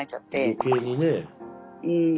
余計にね。